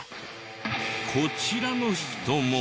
こちらの人も。